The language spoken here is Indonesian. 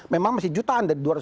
memang masih jutaan